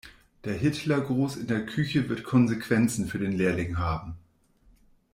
Der Hitlergruß in der Küche wird Konsequenzen für den Lehrling haben.